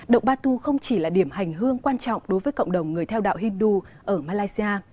động batu không chỉ là điểm hành hương quan trọng đối với cộng đồng người theo đạo hindu ở malaysia